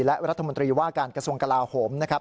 และรัฐมนตรีว่าการกระทรวงกลาโหมนะครับ